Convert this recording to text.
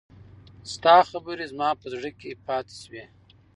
ستا خبرې زما په زړه کې پاتې شوې.